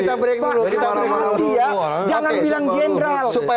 pak ruhuti ya jangan bilang jenderal